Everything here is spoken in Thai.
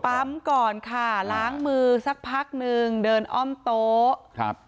ปั๊มก่อนค่ะล้างมือสักพักนึงเดินอ้อมโต๊ะ